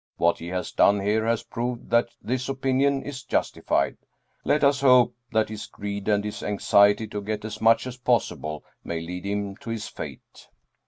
What he has done here has proved that this opinion is justified. Let us hope that his greed, and his anxiety to get as much as possible, may lead him to his fate."